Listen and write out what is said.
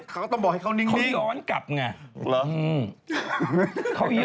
เขาไม่นิ่งุเนี่ย